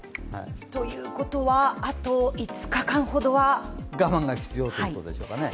ということは、あと５日間ほどは我慢が必要ということですね。